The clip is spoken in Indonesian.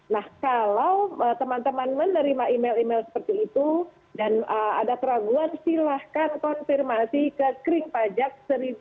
nah kalau teman teman menerima email email seperti itu dan ada peraguan silahkan konfirmasi ke kering pajak seribu lima ratus dua ratus